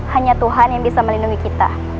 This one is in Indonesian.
hanya tuhan yang bisa melindungi kita